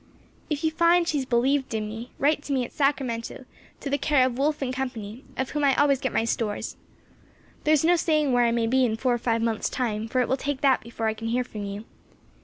If you find she has believed in me, write to me at Sacramento, to the care of Woolfe & Company, of whom I always get my stores. There is no saying where I may be in four or five months' time, for it will take that before I can hear from you.